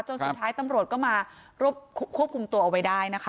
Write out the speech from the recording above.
สุดท้ายตำรวจก็มารวบควบคุมตัวเอาไว้ได้นะคะ